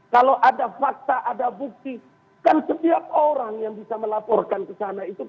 kalau ada fakta ada bukti kan setiap orang yang bisa melaporkan ke sana itu